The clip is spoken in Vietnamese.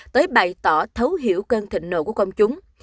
tới bày tỏ thấu hiểu cơn thịnh nổ của công chúng